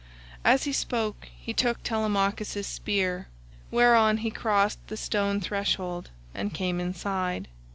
As he spoke he took Telemachus' spear, whereon he crossed the stone threshold and came inside.